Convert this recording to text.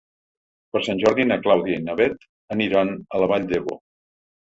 Per Sant Jordi na Clàudia i na Bet aniran a la Vall d'Ebo.